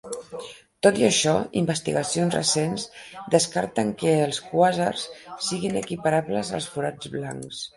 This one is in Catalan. Tot i això, investigacions recents descarten que els quàsars siguen equiparables als forats blancs.